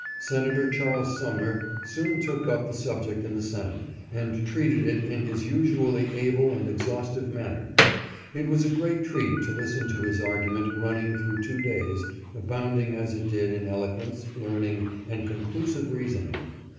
Senator Charles Sumner soon took up the subject in the Senate, and treated it in his usually able and exhaustive manner. It was a great treat to listen to his argument running through two days, abounding as it did in eloquence, learning, and con clusive reasoning.